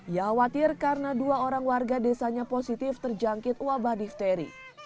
ia khawatir karena dua orang warga desanya positif terjangkit wabah difteri